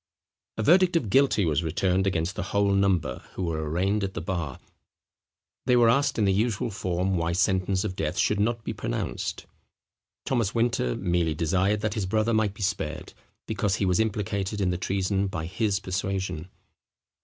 A verdict of guilty was returned against the whole number who were arraigned at the bar. They were asked in the usual form why sentence of death should not be pronounced. Thomas Winter merely desired that his brother might be spared, because he was implicated in the treason by his persuasion.